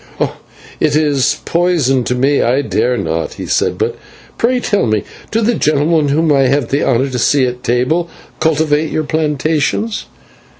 "It is poison to me, I dare not," he said. "But pray tell me, do the gentlemen whom I have the honour to see at table cultivate your plantations?"